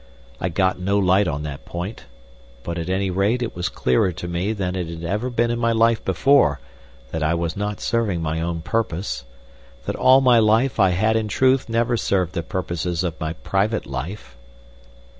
I got no light on that point, but at any rate it was clearer to me than it had ever been in my life before that I was not serving my own purpose, that all my life I had in truth never served the purposes of my private life.